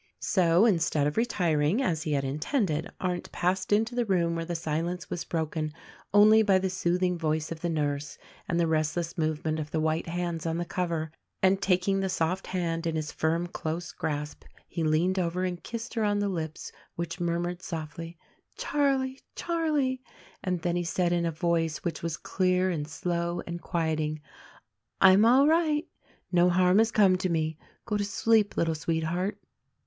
So, instead of retiring, as he had intended, Arndt passed into the room where the silence was broken only by the soothing voice of the nurse and the restless movement of the white hands on the cover; and taking the soft hand in his firm, close grasp he leaned over her and kissed her on the lips which murmured softly, "Charlie. Charlie," and then he said in a voice which was clear and slow and quiet ing, "I am all right; no harm has come to me; go to sleep little sweetheart."